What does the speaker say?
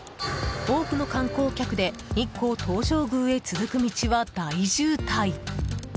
多くの観光客で日光東照宮へ続く道は大渋滞。